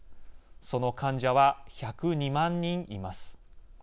その患者は１０２万人います。